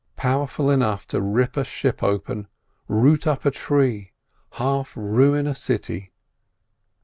Powerful enough to rip a ship open, root up a tree, half ruin a city.